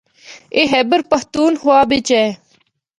اے خیبر پختونخواہ بچ اے۔